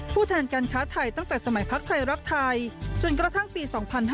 แทนการค้าไทยตั้งแต่สมัยพักไทยรักไทยจนกระทั่งปี๒๕๕๙